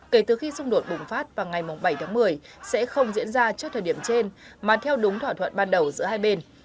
kể từ khi xung đột bùng phát vào ngày bảy tháng một mươi sẽ không diễn ra trước thời điểm trên mà theo đúng thỏa thuận ban đầu giữa hai bên